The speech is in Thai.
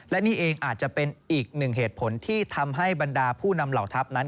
และนี่เองอาจจะเป็นอีกหนึ่งเหตุผลที่ทำให้บรรดาผู้นำเหล่าทัพนั้น